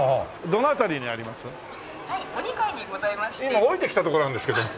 今降りてきたところなんですけども。